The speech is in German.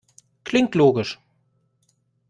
Klingt logisch.